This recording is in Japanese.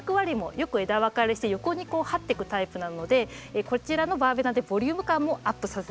よく枝分かれして横にこう這っていくタイプなのでこちらのバーベナでボリューム感もアップさせちゃうという形で合わせて。